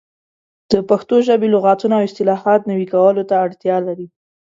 د پښتو ژبې لغتونه او اصطلاحات نوي کولو ته اړتیا لري.